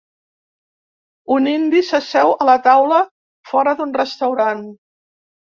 Un indi s'asseu a una taula fora d'un restaurant.